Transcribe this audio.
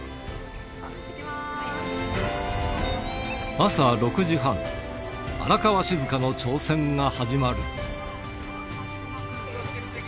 朝６時半、荒川静香の挑戦が始まる。